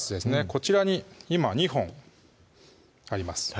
こちらに今２本あります